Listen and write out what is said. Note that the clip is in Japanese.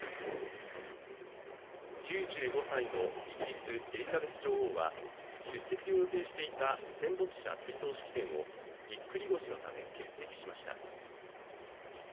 ９５歳のイギリス・エリザベス女王は出席を予定していた戦没者追悼式典をぎっくり腰のため欠席しました。